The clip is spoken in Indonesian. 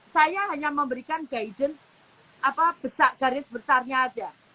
saya hanya memberikan guidance apa besar garis besarnya aja